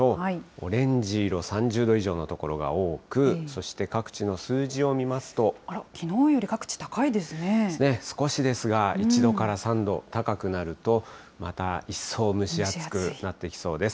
オレンジ色３０度以上の所が多く、あら、きのうより各地高いで少しですが、１度から３度、高くなると、また一層蒸し暑くなってきそうです。